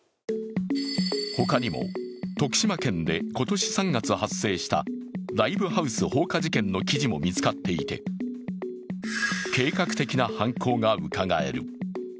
ほかにも徳島県で今年３月発生したライブハウス放火事件の記事も見つかっていて計画的な犯行がうかがえる。